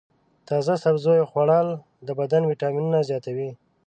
د تازه سبزیو خوړل د بدن ویټامینونه زیاتوي.